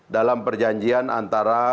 dalam perjanjian antara